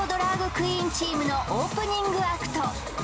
クイーンチームのオープニングアクト